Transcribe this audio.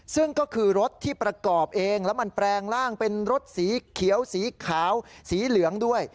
ซึ่งก็คือรถที่ประกอบเองแล้วมันแปลงร่างเป็นรถสีเขียวสีขาวสีเหลืองด้วย